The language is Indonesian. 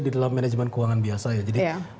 di dalam manajemen keuangan biasa ya jadi